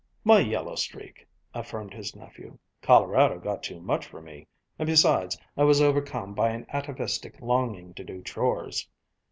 "My yellow streak!" affirmed his nephew. "Colorado got too much for me. And besides, I was overcome by an atavistic longing to do chores."